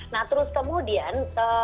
nah terus kemudian